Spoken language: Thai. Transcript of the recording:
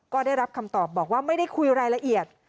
ก็ได้รับคำตอบบอกว่าไม่ได้คุยรายละเอียด